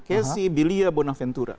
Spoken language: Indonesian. kesi bilia bonaventura